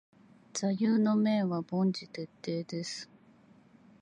座右の銘は凡事徹底です。